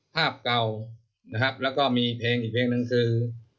ภาพเก่านะครับแล้วก็มีเพลงอีกเพลงหนึ่งคือ